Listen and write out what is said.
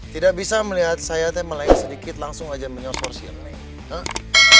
tidak bisa melihat saya tuh melayang sedikit langsung aja menyosor si enek